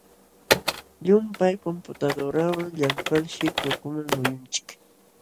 Llumpay computadorawan llamkalshi kurkuman muyunchik.